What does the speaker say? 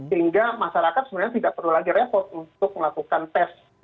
sehingga masyarakat sebenarnya tidak perlu lagi repot untuk melakukan tes